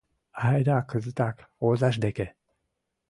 Айда кызытак озаж деке!